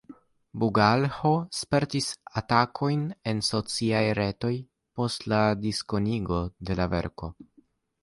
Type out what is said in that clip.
Bugalho spertis atakojn en sociaj retoj post la diskonigo de la verko.